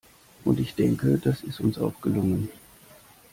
Und ich denke, das ist uns auch gelungen.